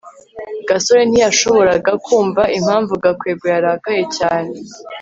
gasore ntiyashoboraga kumva impamvu gakwego yarakaye cyane